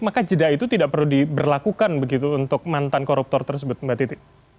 maka jeda itu tidak perlu diberlakukan begitu untuk mantan koruptor tersebut mbak titi